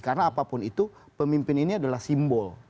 karena apapun itu pemimpin ini adalah simbol